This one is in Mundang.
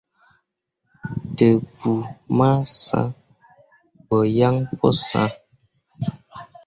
Dǝwor ma sãã gbo yaŋ pu sah.